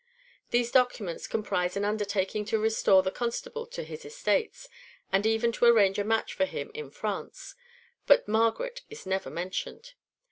These documents comprise an undertaking to restore the Constable his estates, and even to arrange a match for him in France, (3) but Margaret is never mentioned.